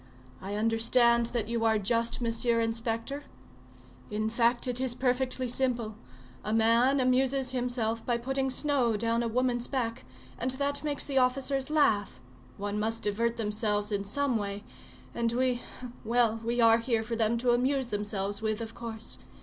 I understand that you are just, Mr. Inspector; in fact, it is perfectly simple: a man amuses himself by putting snow down a woman's back, and that makes the officers laugh; one must divert themselves in some way; and we—well, we are here for them to amuse themselves with, of course!